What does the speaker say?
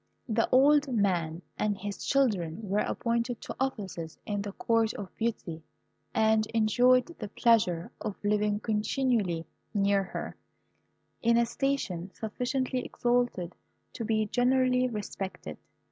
The old man and his children were appointed to offices in the Court of Beauty, and enjoyed the pleasure of living continually near her, in a station sufficiently exalted to be generally respected.